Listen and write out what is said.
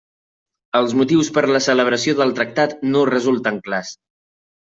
Els motius per a la celebració del tractat no resulten clars.